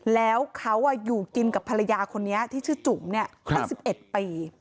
แล้วเขาอยู่กินกับภรรยาคนนี้ที่ชื่อจุ๋มให้๑๑ปี